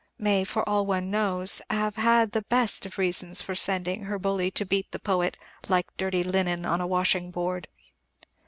may, for all one knows, have had the best of reasons for sending her bully to beat the poet "like dirty linen on the washing board."